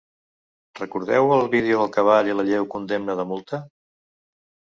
Recordeu el vídeo del cavall i la lleu condemna de multa?